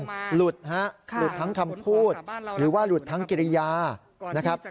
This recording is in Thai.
มันหลุดฮะหลุดทั้งคำพูดหรือว่าหลุดทั้งกิริยานะครับ